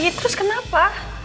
iya terus kenapa